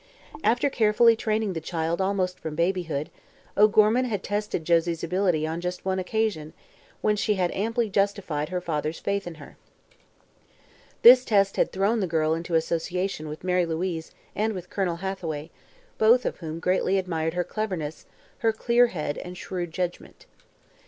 After carefully training the child almost from babyhood, O'Gorman had tested Josie's ability on just one occasion, when she had amply justified her father's faith in her. This test had thrown the girl into association with Mary Louise and with Colonel Hathaway, both of whom greatly admired her cleverness, her clear head and shrewd judgment.